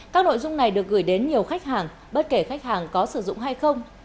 các nội dung này được gửi đến nhiều khách hàng bất kể khách hàng có sử dụng hay không